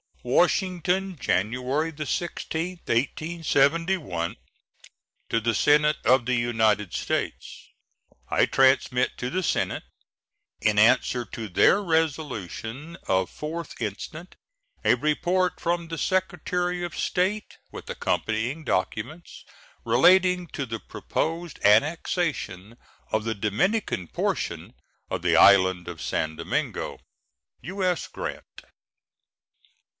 WASHINGTON, January 16, 1871. To the Senate of the United States: I transmit to the Senate, in answer to their resolution of 4th instant, a report from the Secretary of State, with accompanying documents, relating to the proposed annexation of the Dominican portion of the island of San Domingo. U.S. GRANT.